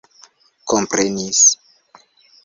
komprenis